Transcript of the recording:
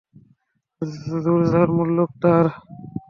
জোর যার মুলুক তার।